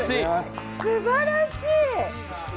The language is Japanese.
すばらしい！